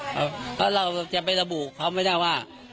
เพราะเราจะไประบุเขาไม่ได้ว่า